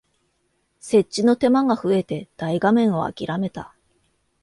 設置の手間が増えて大画面をあきらめた